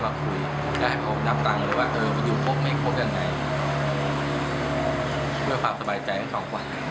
เพื่อความสบายใจของเขากวิน